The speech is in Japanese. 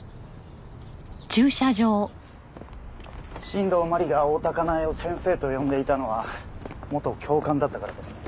新道真理が大多香苗を先生と呼んでいたのは元教官だったからですね。